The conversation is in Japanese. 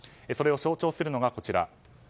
それを象徴するのがこちら。